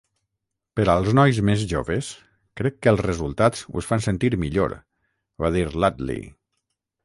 "Per als nois més joves, crec que els resultats us fan sentir millor", va dir l'Utley.